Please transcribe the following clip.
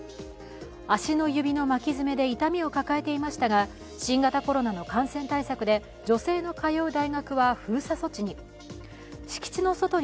足の指の巻き爪で痛みを抱えてていましたが、新型コロナの感染対策で女性の通う大学は封鎖措置に。